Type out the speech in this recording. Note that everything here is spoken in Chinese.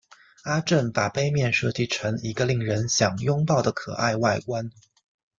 阿正把杯面设计成一个令人想拥抱的可爱外观。